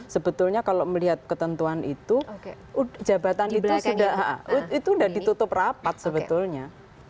sebetulnya kalau melihat ketentuan itu jabatan itu sudah ditutup rapat sebetulnya